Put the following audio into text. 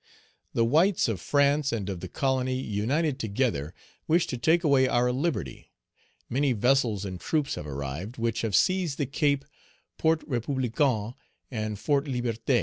"The whites of France and of the Colony, united together, wish to take away our liberty. Many vessels and troops have arrived, which have seized the Cape, Port Republican, and Fort Liberté.